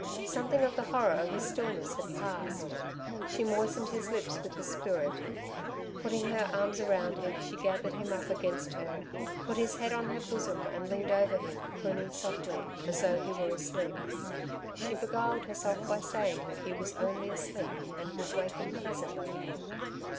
Something of the horror of his stillness had passed; she moistened his lips with the spirit. Putting her arms round him she gathered him up against her, put his head on her bosom and leaned over him, crooning softly, as though he were asleep. She beguiled herself by saying that he was only asleep and would waken presently.